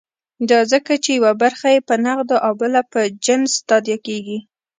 دا ځکه چې یوه برخه یې په نغدو او بله په جنس تادیه کېږي.